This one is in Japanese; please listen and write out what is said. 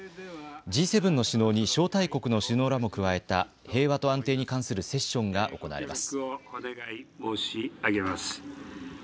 Ｇ７の首脳に招待国の首脳らも加えた平和と安定に関するセッションが行われます。